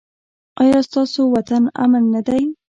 ایا ستاسو وطن امن نه دی؟